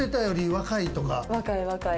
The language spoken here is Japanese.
若い若い。